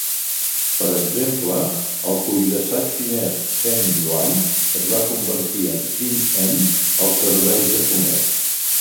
Per exemple, el cuirassat xinès "Chen Yuan" es va convertir en "Chin'en" al servei japonès.